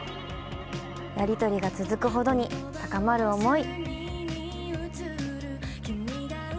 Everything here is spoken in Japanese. やりとりが続くほどに高まる思い。